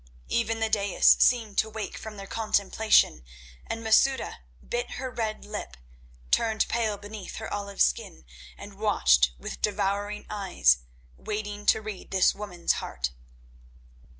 Even the daïs seemed to wake from their contemplation, and Masouda bit her red lip, turned pale beneath her olive skin, and watched with devouring eyes, waiting to read this woman's heart.